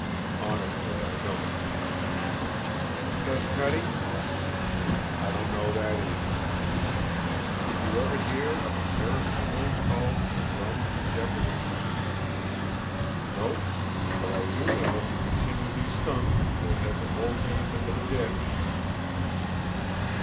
"Honestly, I don't." "Does Cutty?" "I don't know that, either." "Did you ever hear of a pair of emeralds called the drums of jeopardy?" "Nope. But I do know if you continue these stunts you'll head the whole game into the ditch."